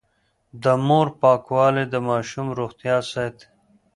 د مور پاکوالی د ماشوم روغتيا ساتي.